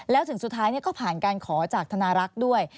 แล้วถึงสุดท้ายก็ผ่านการขอจากธนารักษ์ด้วย